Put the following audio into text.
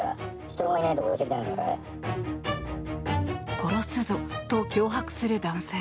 殺すぞと脅迫する男性。